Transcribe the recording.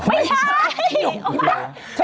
ไม่ใช่